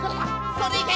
それいけ！